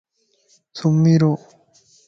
سمي رو